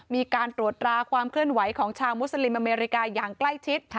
มีการตรวจราความเคลื่อนไหวของชาวมุสลิมอเมริกาอย่างใกล้ชิด